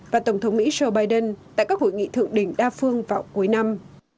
và tổng thống mỹ joe biden tại các hội nghị thượng đỉnh đa phương vào cuối năm